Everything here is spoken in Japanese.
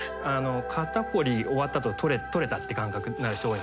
肩凝り終わったあととれたって感覚なる人多い。